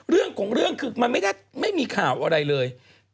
เรื่องของเรื่องคือมันไม่ได้ไม่มีข่าวอะไรเลย